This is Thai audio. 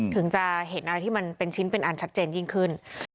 ถึงจะเห็นอะไรที่มันเป็นชิ้นเป็นอันชัดเจนยิ่งขึ้น